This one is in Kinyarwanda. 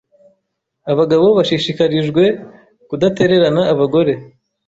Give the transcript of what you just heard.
abagabo bashishikarijwe kudatererana abagore